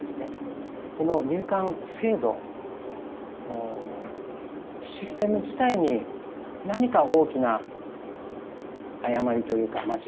この入管制度システム自体に何か大きな誤りというか間違いというか。